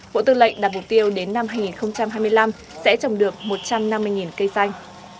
bộ tư lệnh đạt mục tiêu đến năm hai nghìn hai mươi năm sẽ trồng được một trăm năm mươi cây xanh